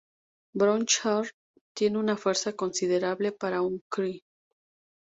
Bron-Char tiene una fuerza considerable para un Kree.